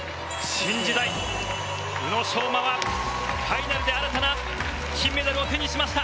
新時代宇野昌磨はファイナルで新たな金メダルを手にしました！